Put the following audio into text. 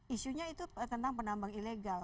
isunya itu tentang penambang ilegal